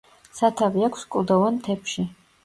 სათავე აქვს კლდოვან მთებში.